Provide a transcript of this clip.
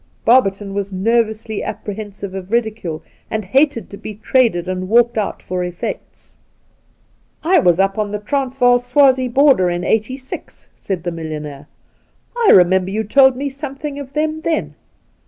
Barberton was nervously apprehensive of ridicule, and hated to be traded and walked out for eflfects. ' I was up on the Transvaal Swazie border in '86,' said the millionaire. ' I remember you told me something of them then.